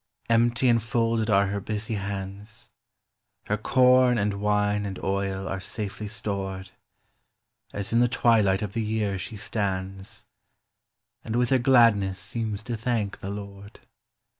Empty and folded are her busy hands; Her corn and wine and oil are safely stored, As in the twilight of the year she stands, And with her gladness seems to thank the Lord.